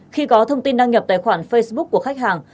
khi có thông tin đăng nhập tài khoản facebook của khách hàng